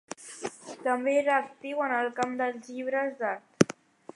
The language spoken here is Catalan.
També era actiu en el camp dels llibres d'art.